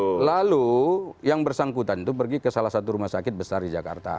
nah lalu yang bersangkutan itu pergi ke salah satu rumah sakit besar di jakarta